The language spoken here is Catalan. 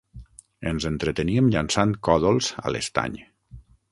Ens entreteníem llançant còdols a l'estany.